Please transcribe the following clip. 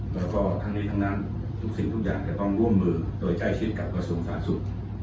แล้วก็ทั้งนี้ทั้งนั้นทุกสิ่งทุกอย่างจะต้องร่วมมือโดยใกล้ชิดกับกระทรวงสาธารณสุข